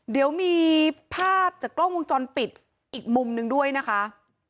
เดี๋ยวมีภาพจากกล้องวงจรปิดอีกมุมหนึ่งด้วยนะคะ